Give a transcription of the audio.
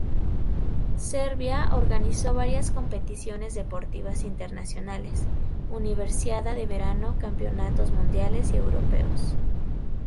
Serbia organizó varias competiciones deportivas internacionales, Universiada de verano, campeonatos mundiales y europeos.